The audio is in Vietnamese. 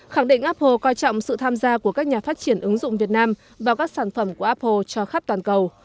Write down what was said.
khẳng định apple coi trọng sự tham gia của các nhà phát triển ứng dụng việt nam vào các sản phẩm của apple cho khắp toàn cầu